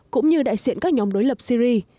cũng như đại diện các nhóm đối lập syri